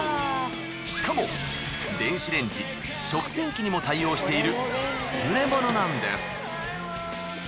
しかも電子レンジ食洗機にも対応している優れものなんです。